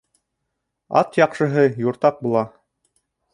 Ат яҡшыһы юртаҡ була